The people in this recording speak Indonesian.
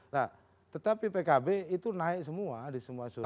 nah tetapi pkb itu naik semua di semua survei